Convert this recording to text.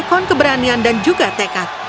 ikon keberanian dan juga tekad